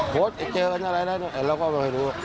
โพสต์เจอกันอะไรแล้วเราก็ไม่รู้